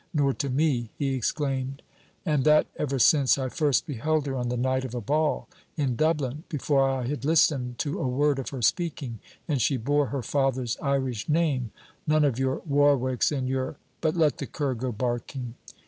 nor to me!' he exclaimed. 'And that ever since I first beheld her on the night of a Ball in Dublin: before I had listened to a word of her speaking: and she bore her father's Irish name: none of your Warwicks and your... but let the cur go barking.